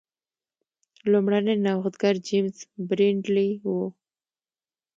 لومړنی نوښتګر جېمز برینډلي و.